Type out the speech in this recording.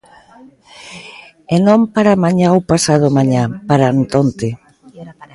E non para mañá ou pasadomañá, ¡para antonte!